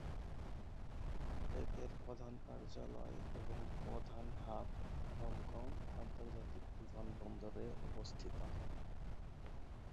এদের প্রধান কার্যালয় এবং প্রধান হাব হংকং আন্তর্জাতিক বিমানবন্দর এ অবস্থিত।